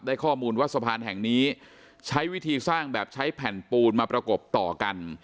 ข้อมูลว่าสะพานแห่งนี้ใช้วิธีสร้างแบบใช้แผ่นปูนมาประกบต่อกัน